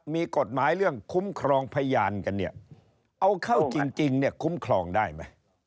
มีกฎหมายเรื่องคุ้มครองพยานกันเนี่ยเอาเข้าจริงเนี่ยคุ้มครองได้ไหม